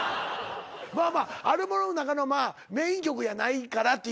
まあまあアルバムの中のメイン曲やないから。